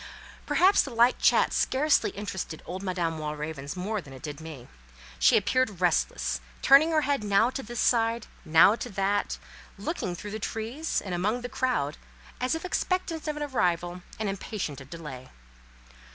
Perhaps the light chat scarcely interested old Madame Walravens more than it did me; she appeared restless, turning her head now to this side, now that, looking through the trees, and among the crowd, as if expectant of an arrival and impatient of delay.